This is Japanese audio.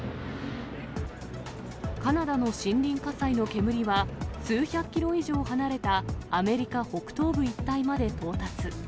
カナダの森林火災の煙は、数百キロ以上離れたアメリカ北東部一帯まで到達。